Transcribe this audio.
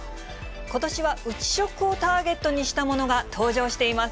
ことしは内食をターゲットにしたものが登場しています。